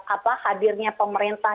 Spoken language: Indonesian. apa hadirnya pemerintah